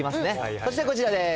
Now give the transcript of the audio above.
そしてこちらです。